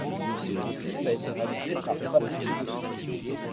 Le clip a été réalisé par Fabrice Begotti.